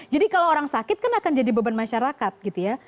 jadi kalau orang sakit kan akan jadi beban masyarakat gitu ya